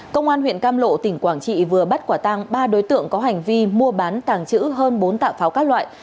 công an huyện cam lộ tỉnh quảng trị vừa bắt quả tang ba đối tượng có hành vi mua bán tàng trữ hơn bốn tạ pháo các loại